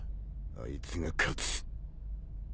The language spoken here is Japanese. あいつが勝つ。